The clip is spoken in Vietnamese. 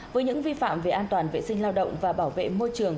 với những vi phạm về an toàn vệ sinh lao động và bảo vệ môi trường